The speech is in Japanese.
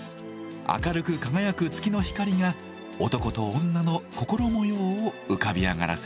明るく輝く月の光が男と女の心模様を浮かび上がらせています。